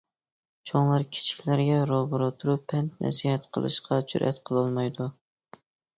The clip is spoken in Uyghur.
چوڭلار كىچىكلەرگە روبىرو تۇرۇپ پەند-نەسىھەت قىلىشقا جۈرئەت قىلالمايدۇ.